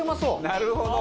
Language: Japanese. なるほど！